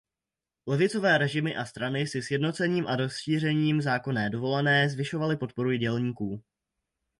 Levicové režimy a strany si sjednocením a rozšířením zákonné dovolené zvyšovaly podporu dělníků.